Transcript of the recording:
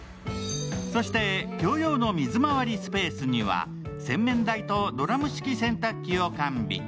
そして供用の水まわりスペースにはドラム式洗濯機を完備。